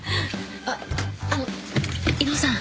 ああの威能さん